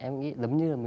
em nghĩ giống như là